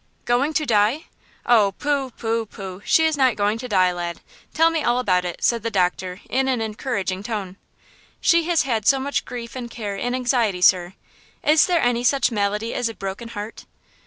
"Going to die! Oh, pooh, pooh, pooh! she is not going to die, lad. Tell me all about it," said the doctor in an encouraging tone. "She has had so much grief and care and anxiety, sir–doctor, is there any such malady as a broken heart?"